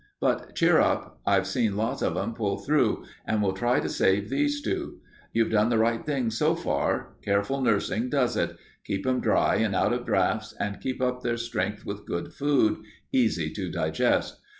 But cheer up; I've seen lots of 'em pull through, and we'll try to save these two. You've done the right thing so far. Careful nursin' does it. Keep 'em dry and out of draughts and keep up their strength with good food, easy to digest.